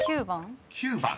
９番？